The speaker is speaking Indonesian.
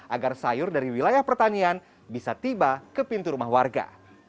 agar sayur dari wilayah pertanian bisa tiba ke pintu rumah warga